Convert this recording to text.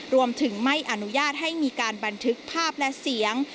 รวมถึงไม่อนุญาตให้มีการบันทึกภาพและเสียง